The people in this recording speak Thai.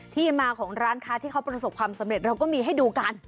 ที่มาของร้านค้าที่เขาประสบความสำเร็จเราก็มีให้ดูกัน